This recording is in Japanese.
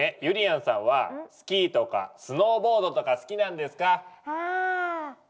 ゆりやんさんはスキーとかスノーボードとか好きなんですか？